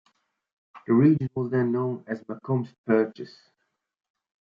The region was then known as Macomb's Purchase.